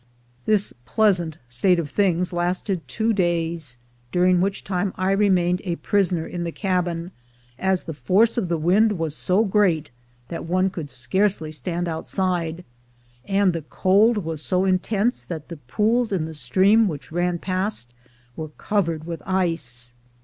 This pleasant state of things lasted two days, during which time I remained a prisoner in the cabin, as the force of the wind was so great that one could scarcely stand outside, and the cold was so intense that the pools in the stream which ran past were covered with ice.